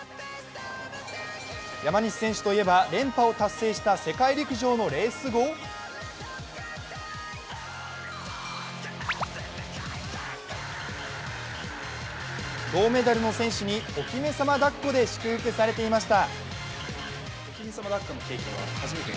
山西選手といえば、連覇を達成した世界陸上のレース後銅メダルの選手にお姫様だっこで祝福されていました。